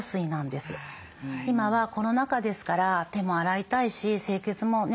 今はコロナ禍ですから手も洗いたいし清潔もね